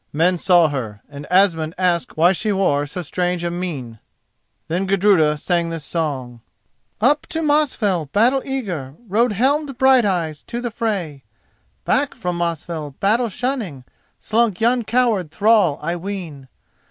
Men saw her, and Asmund asked why she wore so strange a mien. Then Gudruda sang this song: "Up to Mosfell, battle eager, Rode helmed Brighteyen to the fray. Back from Mosfell, battle shunning, Slunk yon coward thrall I ween.